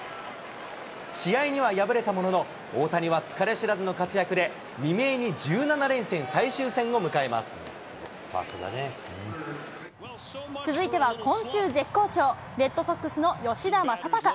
試合には敗れたものの、大谷は疲れ知らずの活躍で、続いては今週絶好調、レッドソックスの吉田正尚。